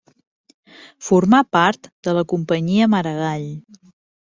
Formà part de la Companyia Maragall.